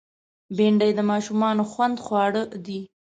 بېنډۍ د ماشومانو خوند خوړ دی